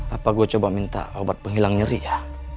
apa gue coba minta obat penghilang nyeri ya